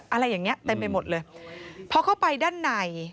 อะไรอย่างเงี้เต็มไปหมดเลยพอเข้าไปด้านใน